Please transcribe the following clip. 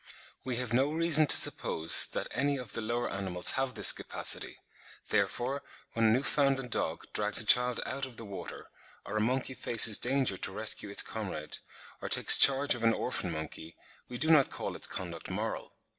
We have no reason to suppose that any of the lower animals have this capacity; therefore, when a Newfoundland dog drags a child out of the water, or a monkey faces danger to rescue its comrade, or takes charge of an orphan monkey, we do not call its conduct moral.